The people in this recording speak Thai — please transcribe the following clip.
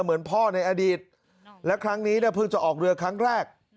เหมือนพ่อในอดีตและครั้งนี้เนี่ยเพิ่งจะออกเรือครั้งแรก